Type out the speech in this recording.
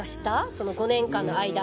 その５年間の間。